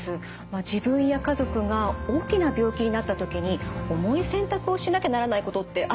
自分や家族が大きな病気になった時に重い選択をしなきゃならないことってあると思うんです。